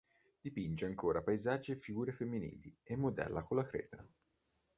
Dipinge ancora paesaggi e figure femminili e modella con la creta.